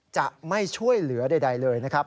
จะไม่ช่วยเหลือใดเลยนะครับ